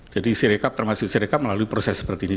jadi siri kpu termasuk siri kpu melalui proses seperti ini